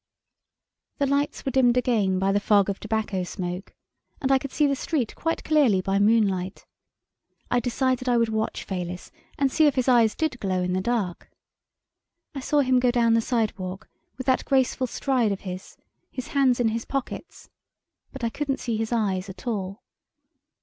The lights were dimmed again by the fog of tobacco smoke, and I could see the street quite clearly by moonlight. I decided I would watch Fayliss, and see if his eyes did glow in the dark. I saw him go down the sidewalk, with that graceful stride of his, his hands in his pockets. But I couldn't see his eyes at all.